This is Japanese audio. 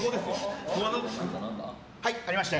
はい、ありました。